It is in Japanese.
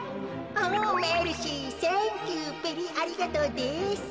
おメルシーサンキューベリーありがとうです。